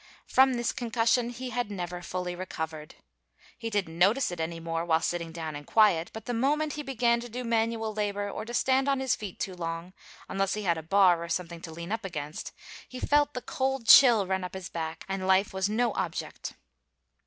From this concussion he had never fully recovered. He didn't notice it any more while sitting down and quiet, but the moment he began to do manual labor or to stand on his feet too long, unless he had a bar or something to lean up against, he felt the cold chill run up his back and life was no object.